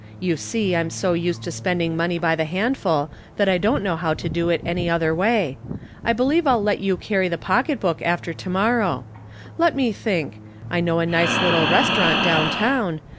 You see, I'm so used to spending money by the handful that I don't know how to do it any other way. I believe I'll let you carry the pocketbook after to morrow. Let me think; I knew a nice little restaurant down town.